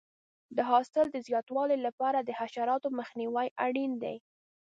د حاصل د زیاتوالي لپاره د حشراتو مخنیوی اړین دی.